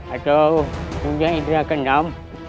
atau punya indera kendam